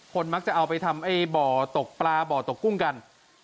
มักจะเอาไปทำไอ้บ่อตกปลาบ่อตกกุ้งกัน